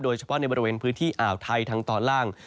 โดยเฉพาะในบริเวณพื้นที่อ่าวไทยทางตอนล่าง